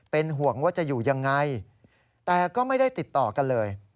เป็นห่วงว่าจะอยู่ยังไงแต่ก็ไม่ได้ติดต่อกันเลย